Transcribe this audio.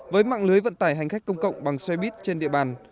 với mạng lưới vận tải hành khách công cộng bằng xoay bit trên địa bàn